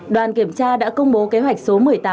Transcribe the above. đoàn kiểm tra đã công bố kế hoạch số một mươi tám